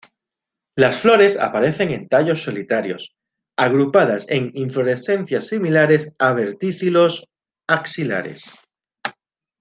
Las flores aparecen en tallos solitarios, agrupadas en inflorescencias similares a verticilos, axilares.